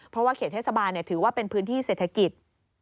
เพราะว่าเขตเทศบาลถือว่าเป็นพื้นที่เศรษฐกิจ